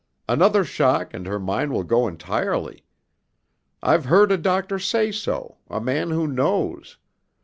Another shock and her mind will go entirely. I've heard a doctor say so, a man who knows.